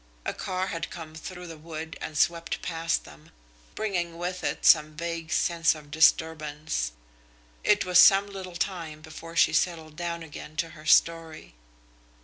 A car had come through the wood and swept past them, bringing with it some vague sense of disturbance. It was some little time before she settled down again to her story.